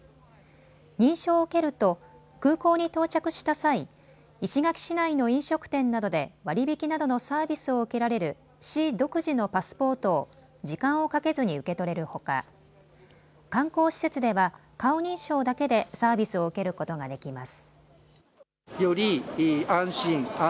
認証を受けると空港に到着した際、石垣市内の飲食店などで割り引きなどのサービスを受けられる市独自のパスポートを時間をかけずに受け取れるほか観光施設では顔認証だけでサービスを受けることができます。